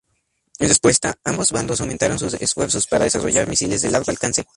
En respuesta, ambos bandos aumentaron sus esfuerzos para desarrollar misiles de largo alcance.